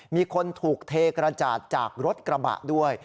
มีคนถูกเทกระจาดจากรถกระบะด้วย